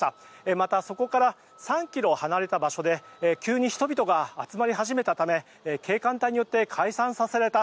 また、そこから３ｋｍ離れた場所で急に人々が集まり始めたため警官隊によって解散させられた。